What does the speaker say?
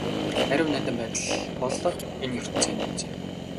Ариун нандин байдал бол энэ ертөнцийн нууц юм.